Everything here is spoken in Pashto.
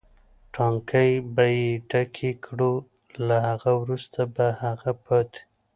ټانکۍ به یې ډکې کړو، له هغه وروسته به هغه پاتې.